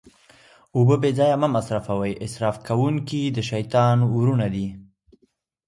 اوبه بې ځایه مه مصرفوئ، اسراف کونکي د شيطان وروڼه دي